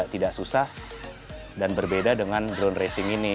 tidak susah dan berbeda dengan drone racing ini